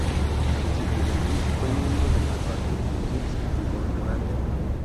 En su juventud, fue miembro del reparto en Kids Incorporated.